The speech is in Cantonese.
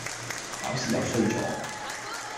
考試又衰咗